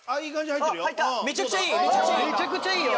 めちゃくちゃいいよ！